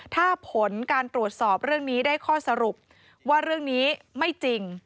ถ้าผลการตรวจสอบเรื่องนี้ได้ข้อสรุปว่าเรื่องนี้ไม่จริง